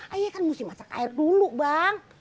ayo kan mesti masak air dulu bang